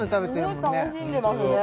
すごい楽しんでますね